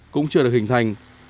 cũng chưa được hình thành